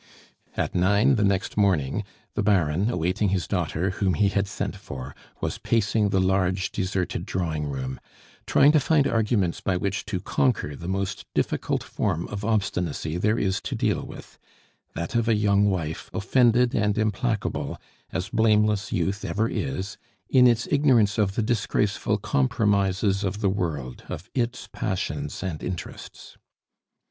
At nine the next morning, the Baron, awaiting his daughter, whom he had sent for, was pacing the large, deserted drawing room, trying to find arguments by which to conquer the most difficult form of obstinacy there is to deal with that of a young wife, offended and implacable, as blameless youth ever is, in its ignorance of the disgraceful compromises of the world, of its passions and interests.